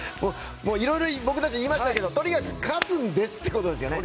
いろいろ僕たち言いましたけどとにかく勝つんですっていうことですね。